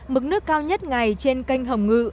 mức nước cao nhất ngày trên kênh hồng ngự